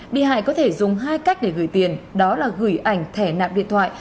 bị hại có thể dùng hai cách để gửi tiền đó là gửi ảnh thẻ nạp điện thoại